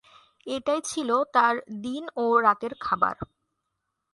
এটাই ছিল তাঁর দিন ও রাতের খাবার।